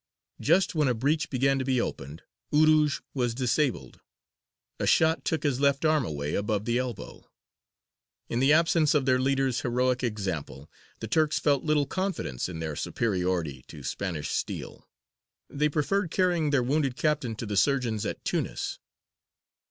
Just when a breach began to be opened, Urūj was disabled; a shot took his left arm away above the elbow. In the absence of their leader's heroic example, the Turks felt little confidence in their superiority to Spanish steel; they preferred carrying their wounded captain to the surgeons at Tunis.